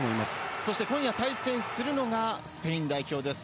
そして今夜対戦するのが、スペイン代表です。